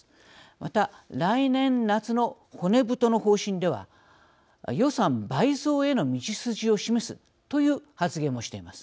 また、来年夏の骨太の方針では予算倍増への道筋を示すという発言もしています。